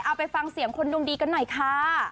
เอาไปฟังเสียงคนดวงดีกันหน่อยค่ะ